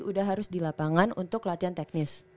udah harus di lapangan untuk latihan teknis